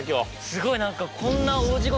すごい何かこんな。